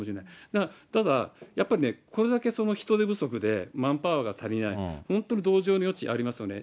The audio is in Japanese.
だから、ただ、やっぱりね、これだけ人手不足で、マンパワーが足りない、本当に同情の余地ありますよね。